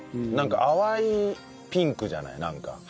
なんか淡いピンクじゃないなんか。